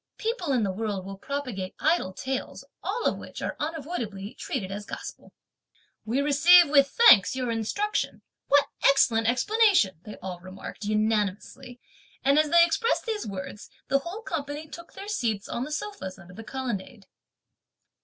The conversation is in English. People in the world will propagate idle tales, all of which are unavoidably treated as gospel!" "We receive (with thanks) your instructions; what excellent explanation!" they all remarked unanimously, and as they expressed these words, the whole company took their seats on the sofas under the colonnade.